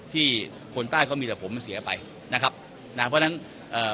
ที่คนใต้เขามีแต่ผมมันเสียไปนะครับนะเพราะฉะนั้นเอ่อ